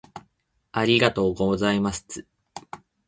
ありがとうございますつ